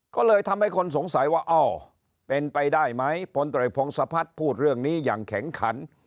ก็เลยทำให้คนสงสัยว่าอ้อเป็นไปได้ไหมพลตรวจพงศพัฒน์พูดเรื่องนี้อย่างแข็งขัน